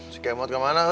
si kemot kemana ray